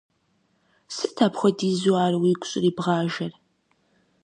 Сыт апхуэдизу ар уигу щӀрибгъажэр?